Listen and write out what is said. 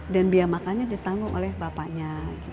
dan biaya matanya ditanggung oleh bapaknya